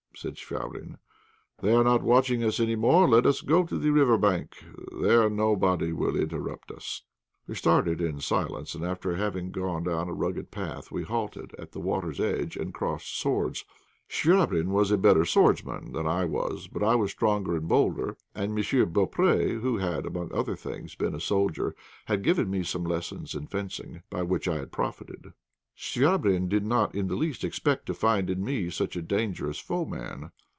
said Chvabrine. "They are not watching us any more. Let us go to the river bank; there nobody will interrupt us." We started in silence, and after having gone down a rugged path we halted at the water's edge and crossed swords. Chvabrine was a better swordsman than I was, but I was stronger and bolder, and M. Beaupré, who had, among other things, been a soldier, had given me some lessons in fencing, by which I had profited. Chvabrine did not in the least expect to find in me such a dangerous foeman.